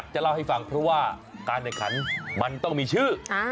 จะเล่าให้ฟังเพราะว่าการแข่งขันมันต้องมีชื่อ